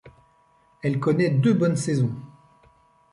Elle connaît deux bonnes saisons.